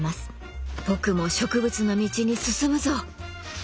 僕も植物の道に進むぞ！